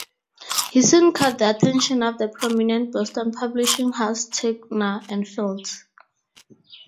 He soon caught the attention of the prominent Boston publishing house Ticknor and Fields.